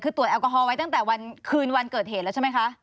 คือตรวจแอลกอฮอลไว้ตั้งแต่วันคืนวันเกิดเหตุแล้วใช่ไหมคะ